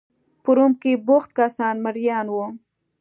په روم کې بوخت کسان مریان وو.